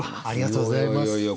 ありがとうございます。